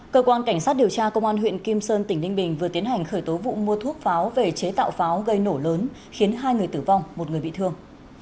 cơ quan cảnh sát điều tra công an huyện kim sơn tỉnh ninh bình vừa tiến hành khởi tố vụ mua thuốc pháo về chế tạo pháo gây nổ lớn khiến hai người tử vong một người bị thương